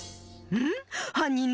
ん？